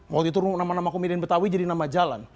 waktu itu nama nama komedian betawi jadi nama jalan